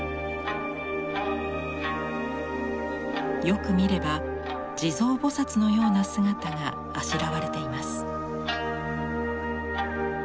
よく見れば地蔵菩のような姿があしらわれています。